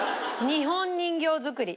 日本人形作り。